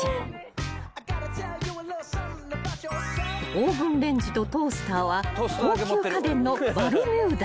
［オーブンレンジとトースターは高級家電のバルミューダ］